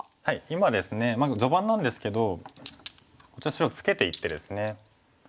今ですねまだ序盤なんですけどこちら白ツケていってですね。